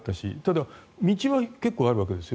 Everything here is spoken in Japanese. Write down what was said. だけど道は結構あるわけです。